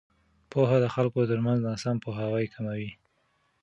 پوهه د خلکو ترمنځ ناسم پوهاوی کموي.